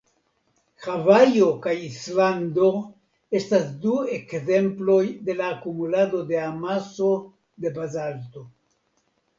Havajo kaj Islando estas du ekzemploj de la akumulado de amaso de bazalto.